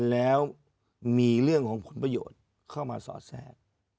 แล้วมีเรื่องของผลประโยชน์เข้ามาสอดแทรก